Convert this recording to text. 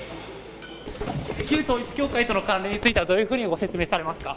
旧統一教会との関連についてはどういうふうにご説明されますか。